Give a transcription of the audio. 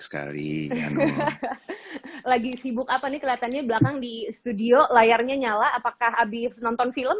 sekali lagi sibuk apa nih kelihatannya belakang di studio layarnya nyala apakah habis nonton film